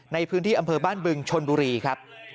ในพื้นที่อำเภอบ้านบึงชนบุรีครับ